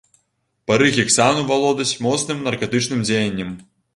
Пары гексану валодаць моцным наркатычным дзеяннем.